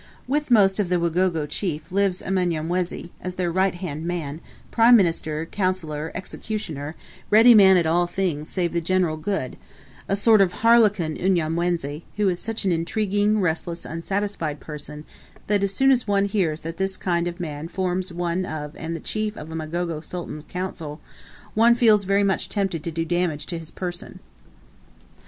With most of the Wagogo chiefs lives a Mnyamwezi, as their right hand man, prime minister, counsellor, executioner, ready man at all things save the general good; a sort of harlequin Unyamwezi, who is such an intriguing, restless, unsatisfied person, that as soon as one hears that this kind of man forms one of and the chief of a Mgogo sultan's council, one feels very much tempted to do damage to his person.